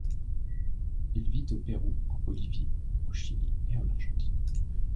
Il vit au Pérou, en Bolivie, au Chili et en Argentine.